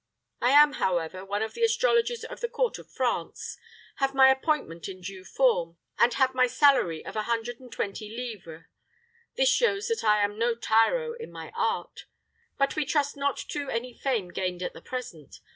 I am, however, one of the astrologers of the court of France have my appointment in due form, and have my salary of a hundred and twenty livres. This shows that I am no tyro in my art. But we trust not to any fame gained at the present.